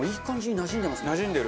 なじんでる。